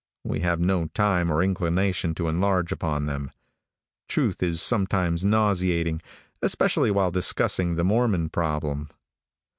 We have no time or inclination to enlarge upon them. Truth is sometimes nauseating, especially while discussing the Mormon problem.